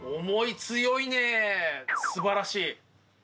思い強いね、すばらしい！